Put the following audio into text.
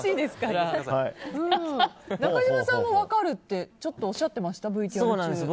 中島さんも分かるってちょっとおっしゃってましたね。